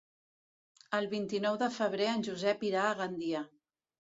El vint-i-nou de febrer en Josep irà a Gandia.